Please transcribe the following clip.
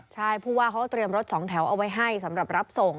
ใช่ผู้ว่าเขาก็เตรียมรถสองแถวเอาไว้ให้สำหรับรับส่ง